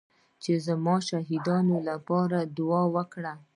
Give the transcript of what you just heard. چې زما د شهيدانو لپاره دې دعا وکړي.